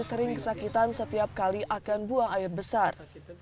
sering kesakitan setiap kali akan buang air besar